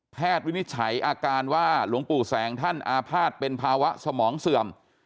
วินิจฉัยอาการว่าหลวงปู่แสงท่านอาภาษณ์เป็นภาวะสมองเสื่อม